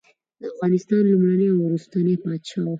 د افغانستان لومړنی او وروستنی پاچا وو.